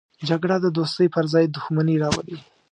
جګړه د دوستۍ پر ځای دښمني راولي